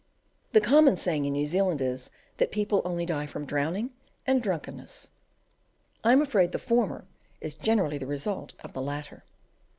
The common saying in New Zealand is, that people only die from drowning and drunkenness. I am afraid the former is generally the result of the latter.